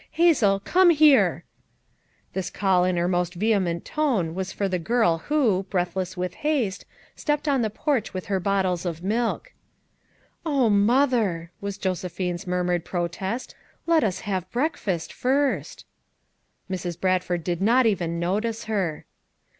Hazel, come here!" This call in her most vehement tone was for the girl who, breathless with haste, stepped on the, porch with her bottles of milk. "Oh, Mother!" was Josephine's murmured FOUR MOTHERS AT CHAUTAUQUA 233 protest, "let us have breakfast first." Mrs. Bradford did not even notice her.